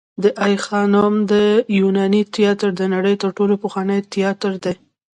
د آی خانم د یوناني تیاتر د نړۍ تر ټولو پخوانی تیاتر دی